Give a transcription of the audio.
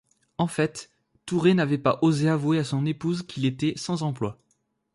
En fait, Thouret n'avait pas osé avouer à son épouse qu'il était sans emploi.